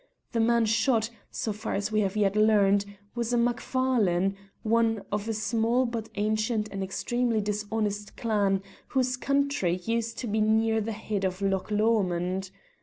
The man shot, so far as we have yet learned, was a Macfarlane, one of a small but ancient and extremely dishonest clan whose country used to be near the head of Loch Lomond.